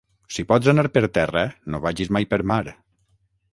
Si pots anar per terra no vagis mai per mar.